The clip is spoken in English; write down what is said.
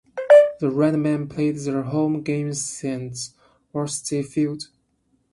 The Redmen played their home games at Varsity Field.